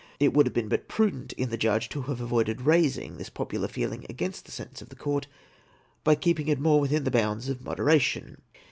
It would have been but prudent in the judge to have avoided raising this popular feeling against the sentence of the Court, by keeping it more within the bounds of moderation.